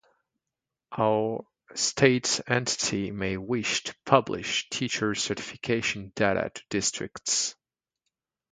Or a state entity may wish to publish teacher certification data to districts.